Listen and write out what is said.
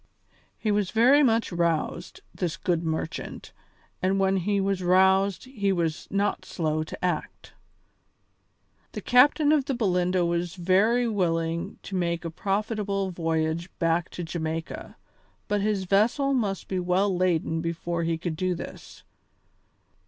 He was very much roused, this good merchant, and when he was roused he was not slow to act. The captain of the Belinda was very willing to make a profitable voyage back to Jamaica, but his vessel must be well laden before he could do this.